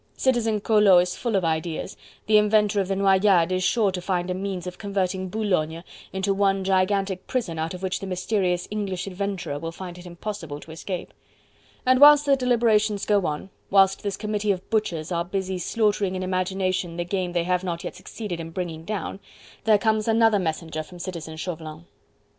Citizen Collot is full of ideas; the inventor of the "Noyades" is sure to find a means of converting Boulogne into one gigantic prison out of which the mysterious English adventurer will find it impossible to escape. And whilst the deliberations go on, whilst this committee of butchers are busy slaughtering in imagination the game they have not yet succeeded in bringing down, there comes another messenger from Citizen Chauvelin.